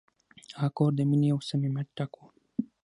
هغه کور د مینې او صمیمیت ډک و.